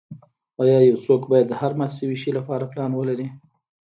ایا یو څوک باید د هر مات شوي شی لپاره پلان ولري